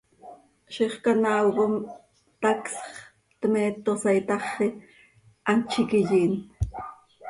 Ziix canaao com tacsx, tmeetosa itaxi, hant z iiqui yiin.